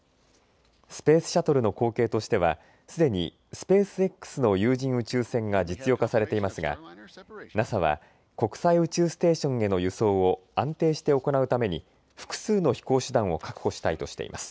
スペースシャトルの後継としてはすでにスペースＸの有人宇宙船が実用化されていますがＮＡＳＡは国際宇宙ステーションへの輸送を安定して行うために複数の飛行手段を確保したいとしています。